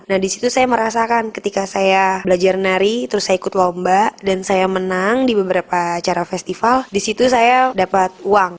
nah disitu saya merasakan ketika saya belajar nari terus saya ikut lomba dan saya menang di beberapa acara festival disitu saya dapat uang